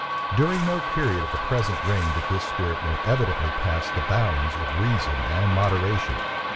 During no period of the present reign did this spirit more evidently pass the bounds of reason and moderation.